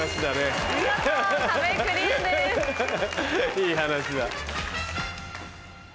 いい話だ。